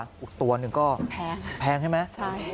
อีกตัวหนึ่งก็แพงใช่ไหม